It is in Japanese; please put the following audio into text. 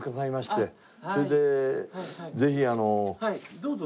それでぜひあの。